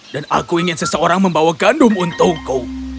dan aku ingin seseorang membawa gandum untukku